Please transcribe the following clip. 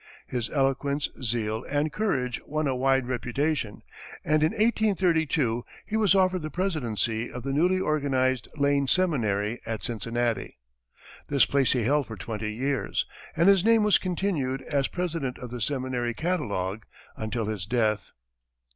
His eloquence, zeal and courage won a wide reputation, and in 1832, he was offered the presidency of the newly organized Lane seminary, at Cincinnati. This place he held for twenty years, and his name was continued as president in the seminary catalogue, until his death.